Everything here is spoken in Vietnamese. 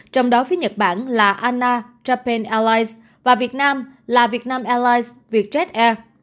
trong đó phía nhật bản là anna japan airlines và việt nam là vietnam airlines vietjet air